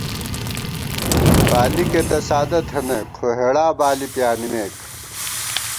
بالِکے تہ سادہ تھنَئیک، خو ہېڑا بالی پیانِمېک